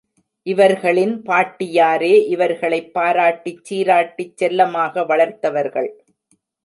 இவர்களின் பாட்டியாரே இவர்களைப் பாராட்டிச் சீராட்டிச் செல்லமாக வளர்த்தவர்கள்.